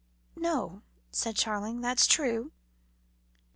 "No," said Charling, "that's true."